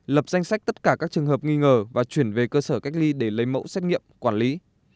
lập danh sách tất cả các trường hợp nghi ngờ và chuyển về cơ sở cách ly để lấy mẫu xét nghiệm quản lý